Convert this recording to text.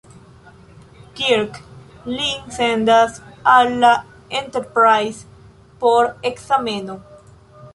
Kirk lin sendas al la "Enterprise" por ekzameno.